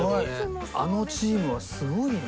あのチームはすごいね。